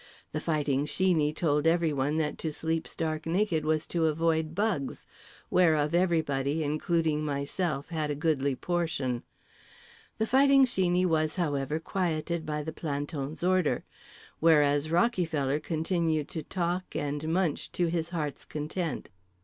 The Fighting Sheeney told everyone that to sleep stark naked was to avoid bugs (whereof everybody, including myself, had a goodly portion). The Fighting Sheeney was, however, quieted by the planton's order; whereas Rockyfeller continued to talk and munch to his heart's content.